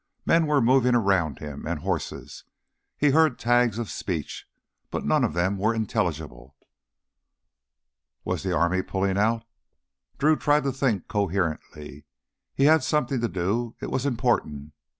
Men were moving around him, and horses. He heard tags of speech, but none of them were intelligible. Was the army pulling out? Drew tried to think coherently. He had something to do. It was important!